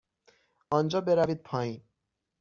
آنجا بروید پایین.